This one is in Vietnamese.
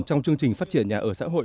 trong chương trình phát triển nhà ở xã hội